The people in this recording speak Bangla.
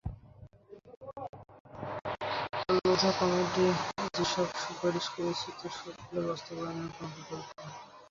লোধা কমিটি যেসব সুপারিশ করেছে, তার সবগুলো বাস্তবায়নের কোনো বিকল্প নেই।